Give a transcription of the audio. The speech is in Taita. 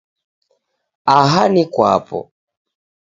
Aha ni kwapo